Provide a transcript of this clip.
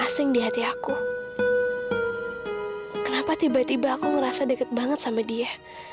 saya merasa dekat banget sama dia